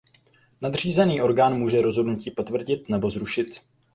Nadřízený orgán může rozhodnutí potvrdit nebo zrušit.